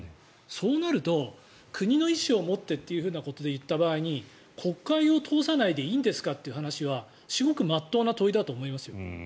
そうなると、国の意思を持ってということで言った場合に国会を通さないでいいんですかという話は至極真っ当な問いだと思いますよ。